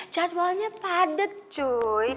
jadwalnya padet cuy